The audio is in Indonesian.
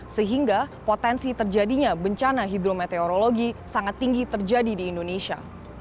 sehingga potensi terjadinya bencana hidrometeorologi sangat tinggi terjadi di indonesia